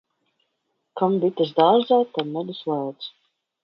Kam bites dārzā, tam medus lēts.